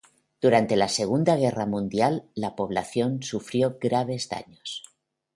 Durante la Segunda Guerra Mundial la población sufrió graves daños.